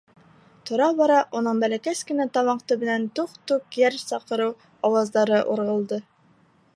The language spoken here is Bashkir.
Тора-бара уның бәләкәс кенә тамаҡ төбөнән туҡ-туҡ йәр саҡырыу ауаздары урғылды.